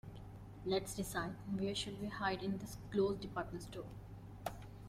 Let's decide where should we hide in this closed department store.